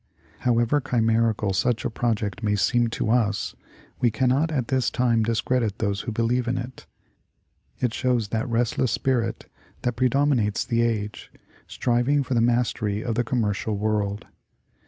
However chimerical such a project may seem to us, we cannot at this time discredit those who believe in it. It shows that restless spirit that predominates the age, striving for the mastery of the com mercial world.